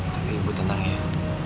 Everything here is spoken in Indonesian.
tapi ibu tenang ya